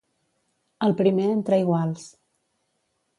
El primer entre iguals.